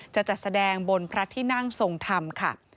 จะจัดแสดงบนพระที่นั่งทรงธรรมค่ะ